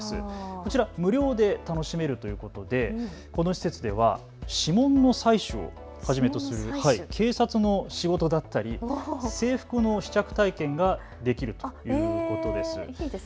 こちら、無料で楽しめるということでこの施設では指紋の採取をはじめとする警察の仕事だったり制服の試着体験ができるということです。